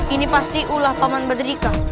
ini pasti ulah paman badrika